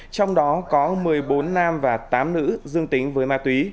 trong đó có một mươi bốn nam và tám nữ